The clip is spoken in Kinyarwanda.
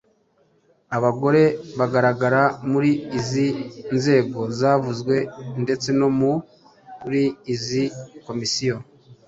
Abagore bagaragara muri izi nzego zavuzwe ndetse no muri izi komisiyo